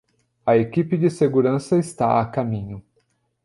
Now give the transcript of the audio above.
A equipe de segurança está a caminho.